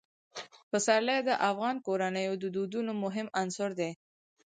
پسرلی د افغان کورنیو د دودونو مهم عنصر دی.